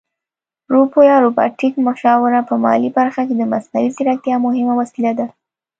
روبو یا روباټیکه مشاوره په مالي برخه کې د مصنوعي ځیرکتیا مهمه وسیله ده